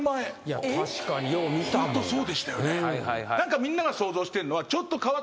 みんなが想像してるのは。